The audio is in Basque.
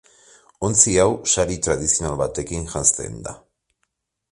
Ontzi hau, sari tradizional batekin janzten da.